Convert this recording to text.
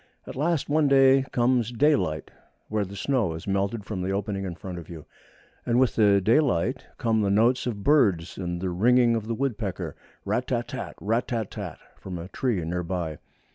At last one day comes daylight, where the snow has melted from the opening in front of you, and with the daylight come the notes of birds and the ringing of the woodpecker rat tat tat tat! rat tat tat tat! from a tree near by.